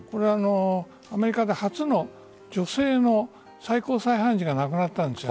アメリカで初の女性の最高裁判事が亡くなったんです。